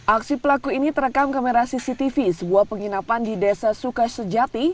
aksi pelaku ini terekam kamera cctv sebuah penginapan di desa sukasejati